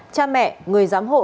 cha mẹ người giám hộ